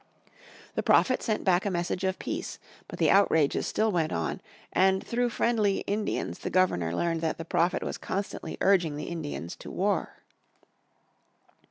The Prophet sent back a message of peace. But the outrages still went on, and through friendly Indians the Governor learned that the Prophet was constantly urging the Indians to war.